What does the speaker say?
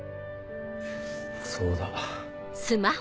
そうだ。